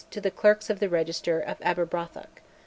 to the clerks of the Registrar of Aberbrothock.